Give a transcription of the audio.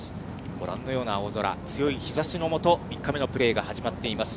ご覧のような青空、強い日ざしの下、３日目のプレーが始まっています。